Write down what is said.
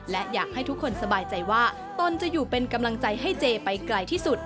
และอยากให้ทุกคนสบายใจว่าตนจะอยู่เป็นกำลังใจให้เจไปไกลที่สุด